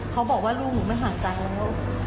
เขาบอกว่าลูกหนูไม่หายใจแล้ว